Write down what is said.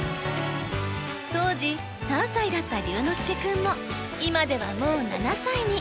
当時３歳だった琉之介君も今ではもう７歳に。